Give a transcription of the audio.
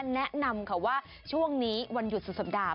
แนะนำค่ะว่าช่วงนี้วันหยุดสุดสัปดาห